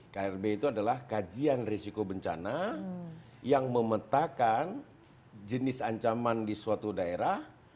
krb itu adalah kajian risiko bencana yang memetakan jenis ancaman di suatu daerah